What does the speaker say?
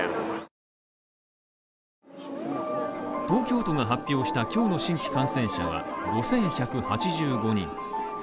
東京都が発表した今日の新規感染者は５１８５人。